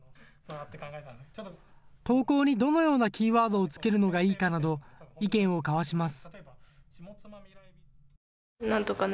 投稿にどのようなキーワードをつけるのがいいかなど意見を交わします。